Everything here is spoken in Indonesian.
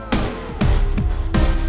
buat waktu lagi